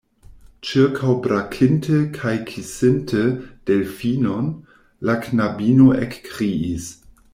Ĉirkaŭbrakinte kaj kisinte Delfinon, la knabino ekkriis: